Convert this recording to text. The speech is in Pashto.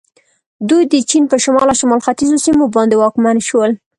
دوی د چین په شمال او شمال ختیځو سیمو باندې واکمن شول.